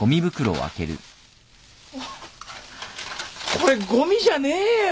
これごみじゃねえよ。